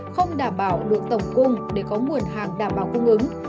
không đảm bảo được tổng cung để có nguồn hàng đảm bảo cung ứng